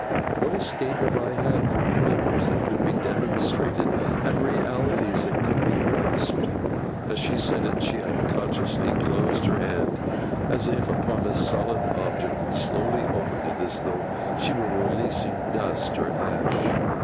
What escape have I had from problems that could be demonstrated, and realities that could be grasped?' As she said it, she unconsciously closed her hand, as if upon a solid object, and slowly opened it as though she were releasing dust or ash.